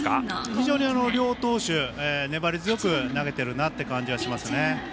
非常に両投手、粘り強く投げてるなという感じがしますね。